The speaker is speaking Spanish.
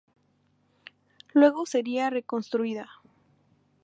Luego sería reconstruida.